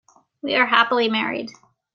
We are happily married.